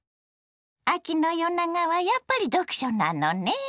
秋の夜長はやっぱり読書なのね。